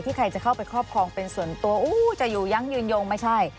ใครจะเข้าไปครอบครองเป็นส่วนตัวอู้จะอยู่ยังยืนยงไม่ใช่